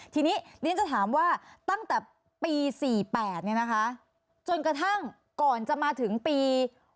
ทีนี้เรียนจะถามว่าตั้งแต่ปี๔๘จนกระทั่งก่อนจะมาถึงปี